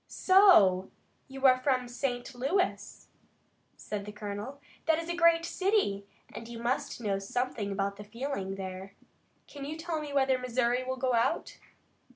"So you are from St. Louis?" said the colonel. "That is a great city, and you must know something about the feeling there. Can you tell me whether Missouri will go out?"